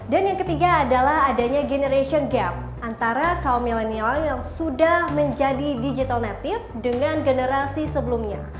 dan yang ketiga adalah adanya generation gap antara kaum milenial yang sudah menjadi digital native dengan generasi sebelumnya